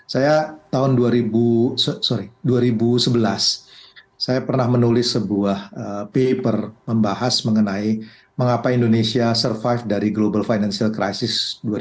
saya tahun dua ribu sebelas saya pernah menulis sebuah paper membahas mengenai mengapa indonesia survive dari global financial crisis dua ribu dua puluh